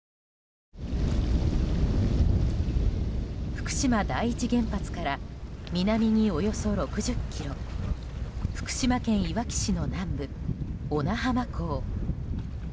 福島第一原発から南におよそ６０ｋｍ福島県いわき市の南部小名浜港。